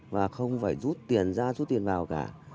và không phải rút tiền ra rút tiền vào cả